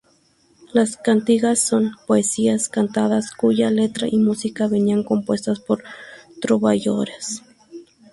Las cantigas son poesías cantadas, cuya letra y música venía compuesta por trovadores.